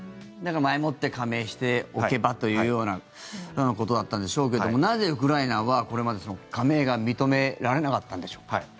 だから前もって加盟しておけばというようなことだったんでしょうけどもなぜ、ウクライナはこれまで加盟が認められなかったんでしょう。